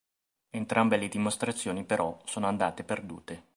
Entrambe le dimostrazioni, però, sono andate perdute.